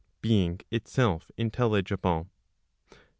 419 being itself intelligible.